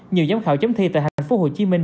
nhiều giám khảo chấm thi tại tp hcm